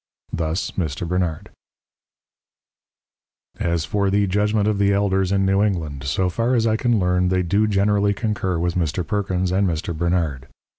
Thus Mr. Bernard. As for the Judgment of the Elders in New England, so far as I can learn, they do generally concur with Mr. Perkins, and Mr. Bernard.